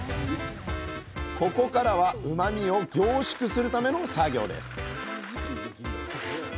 ここからはうまみを凝縮するための作業です